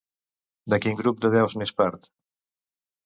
De quin grup de déus n'és part?